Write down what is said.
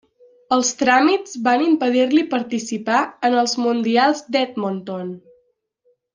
Els tràmits van impedir-li participar en els Mundials d'Edmonton.